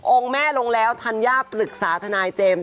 แม่ลงแล้วธัญญาปรึกษาทนายเจมส์